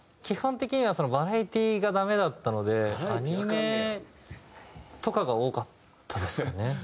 基本的にはバラエティーがダメだったのでアニメとかが多かったですかね。